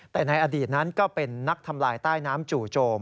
แต่ในอดีตนั้นก็เป็นนักทำลายใต้น้ำจู่โจม